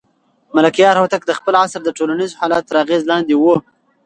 ملکیار هوتک د خپل عصر د ټولنیزو حالاتو تر اغېز لاندې و.